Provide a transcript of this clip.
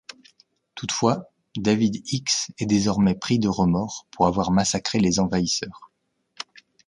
Toutefois, David X est désormais pris de remords pour avoir massacré les envahisseurs.